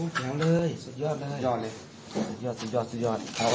กล้องไม่ได้ครับ